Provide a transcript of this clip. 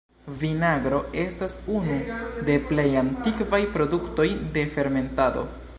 Vinagro estas unu de plej antikvaj produktoj de fermentado.